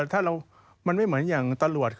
ถ้ามันไม่เหมือนอย่างตำรวจ